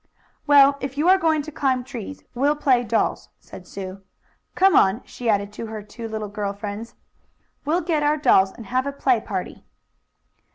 "Well, if you are going to climb trees, we'll play dolls," said Sue. "Come on," she added to her two little girl friends. "We'll get our dolls, and have a play party."